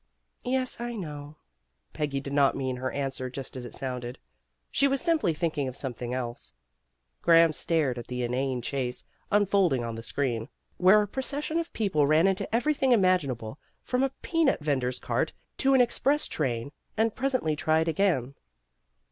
"Yes, I know." Peggy did not mean her answer just as it sounded. She was simply thinking of something else. Graham stared at the inane chase, unfolding on the screen, where a procession of people ran into everything imaginable from a peanut vendor's cart to an express train, and presently tried again.